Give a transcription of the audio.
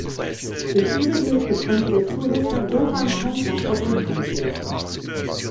Durch ihre Hilfe konnte der Zuhälter Goran Tonka verurteilt werden.